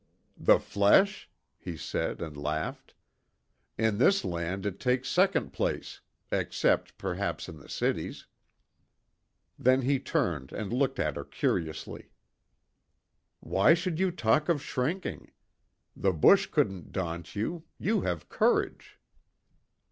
"The flesh?" he said and laughed. "In this land it takes second place except, perhaps, in the cities." Then he turned and looked at her curiously. "Why should you talk of shrinking? The bush couldn't daunt you; you have courage."